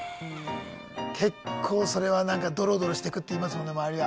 結構それはなんかドロドロしてくって言いますもんね周りが。